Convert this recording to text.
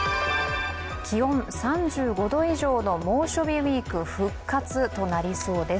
気温３５度以上の猛暑日ウィーク復活となりそうです。